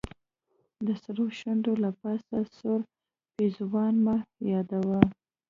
د سرو شونډو له پاسه سور پېزوان مه يادوه